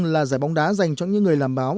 là giải bóng đá dành cho những người làm báo